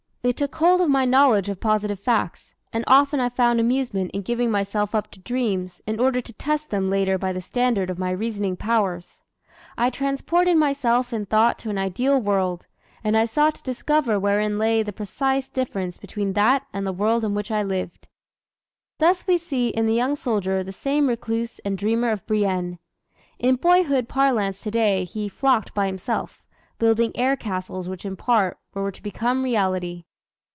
It took hold of my knowledge of positive facts, and often I found amusement in giving myself up to dreams in order to test them later by the standard of my reasoning powers. I transported myself in thought to an ideal world, and I sought to discover wherein lay the precise difference between that and the world in which I lived." Thus we see in the young soldier the same recluse and dreamer of Brienne. In boyhood parlance today, he "flocked by himself," building air castles which in part were to become reality.